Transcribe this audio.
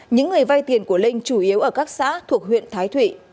những người vay tiền của linh chủ yếu ở các xã thuộc huyện thái thụy